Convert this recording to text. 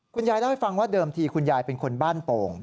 คุณยายเล่าให้ฟังว่าเดิมทีคุณยายเป็นคนบ้านโป่ง